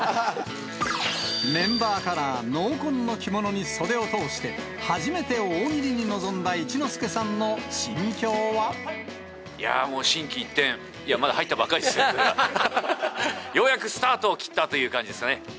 メンバーカラー、濃紺の着物に袖を通して、初めて大喜利に臨んだ一之輔さんの心境いやもう、心機一転、まだ入ったばかりですが、ようやくスタートを切ったという感じですかね。